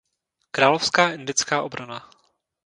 Královská indická obrana.